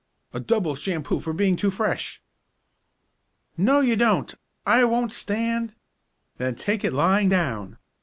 "A double shampoo for being too fresh!" "No, you don't! I won't stand " "Then take it lying down.